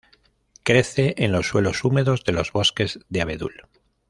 Crece en los suelos húmedos de los bosques de abedul.